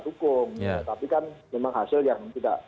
dukung tapi kan memang hasil yang